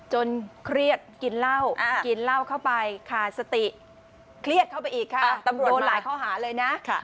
เครียดกินเหล้ากินเหล้าเข้าไปขาดสติเครียดเข้าไปอีกค่ะตำรวจโดนหลายข้อหาเลยนะ